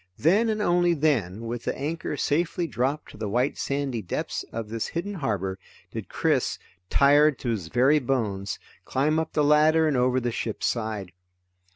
Then, and only then, with the anchor safely dropped to the white sandy depths of this hidden harbor, did Chris, tired to his very bones, climb up the ladder and over the ship's side.